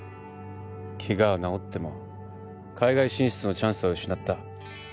怪我は治っても海外進出のチャンスは失った。